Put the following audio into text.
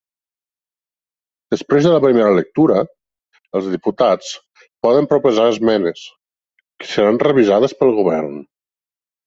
Després de la primera lectura, els diputats poden proposar esmenes, que seran revisades pel govern.